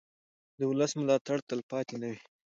د ولس ملاتړ تلپاتې نه وي